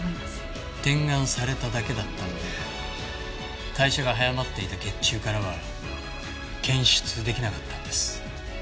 点眼されただけだったので代謝が早まっていた血中からは検出出来なかったんです。